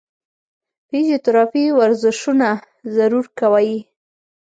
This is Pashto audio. فزيوتراپي ورزشونه ضرور کوي -